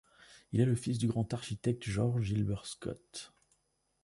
Il est le fils du grand architecte George Gilbert Scott.